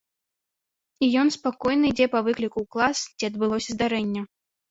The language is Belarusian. І ён спакойна ідзе па выкліку ў клас, дзе адбылося здарэнне.